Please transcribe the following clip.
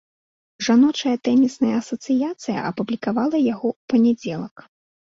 Жаночая тэнісная асацыяцыя апублікавала яго ў панядзелак.